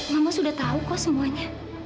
mama sudah tahu kok semuanya